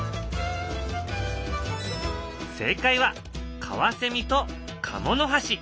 正解はカワセミとカモノハシ。